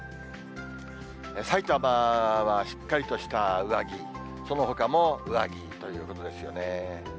さいたまはしっかりとした上着、そのほかも上着ということですよね。